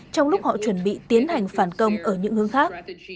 trong lúc họ chuẩn bị tiến hành phản công ở những hướng khác